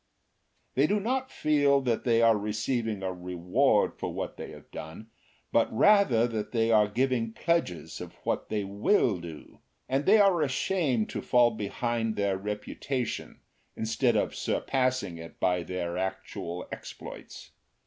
They do not feel that they are receiving a reward for what they have done, but rather that they are giving pledges of what they will do, and they are ashamed to fall behind their reputation instead of surpassing it by their actual exploits.